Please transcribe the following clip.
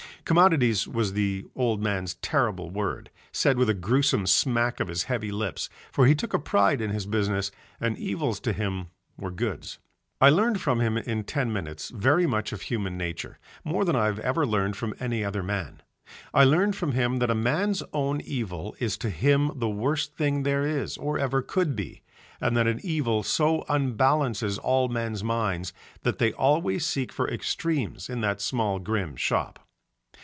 "Commodities" was the old man's terrible word, said with a gruesome smack of his heavy lips, for he took a pride in his business and evils to him were goods. I learned from him in ten minutes very much of human nature, more than I have ever learned from any other man; I learned from him that a man's own evil is to him the worst thing there is or ever could be, and that an evil so unbalances all men's minds that they always seek for extremes in that small grim shop.